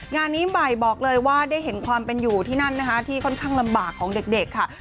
งานนี้ใหม่บอกเลยว่าได้เห็นความเป็นอยู่ที่นั่นนะคะที่ค่อนข้างลำบากของเด็กค่ะ